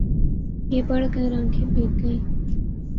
یہ پڑھ کر آنکھیں بھیگ گئیں۔